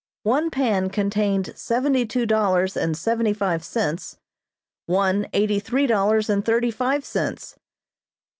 One pan contained seventy two dollars and seventy five cents, one eighty three dollars and thirty five cents.